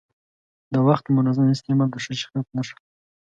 د وخت منظم استعمال د ښه شخصیت نښه ده.